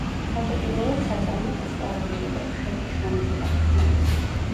თავდაპირველად საწარმო კუსტარული იყო, ხელით შრომაზე დაფუძნებული.